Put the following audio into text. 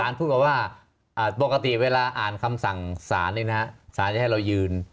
ศาลพูดว่าว่าปกติเวลาอ่านคำสั่งศาลนี่นะฮะศาลจะให้เรายืน